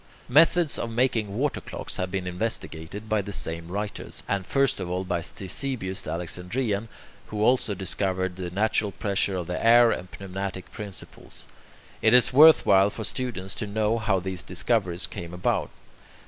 Methods of making water clocks have been investigated by the same writers, and first of all by Ctesibius the Alexandrian, who also discovered the natural pressure of the air and pneumatic principles. It is worth while for students to know how these discoveries came about.